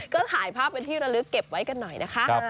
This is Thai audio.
ก็ถ่ายภาพเป็นที่ระลึกเก็บไว้กันหน่อยนะคะ